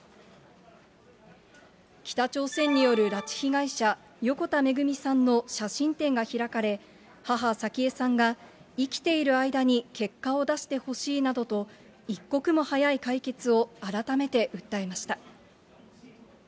北朝鮮による拉致被害者、横田めぐみさんの写真展が開かれ、母、早紀江さんが、生きている間に結果を出してほしいなどと、一刻も早い解決を改めて訴えました。